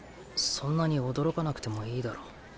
そんなに驚かなくてもいいだろ。